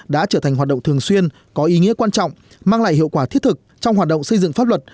đã trở thành hoạt động thường xuyên có ý nghĩa quan trọng mang lại hiệu quả thiết thực trong hoạt động xây dựng pháp luật